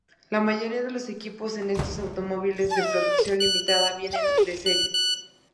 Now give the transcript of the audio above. La mayoría de los equipos en estos automóviles de producción limitada vienen de serie.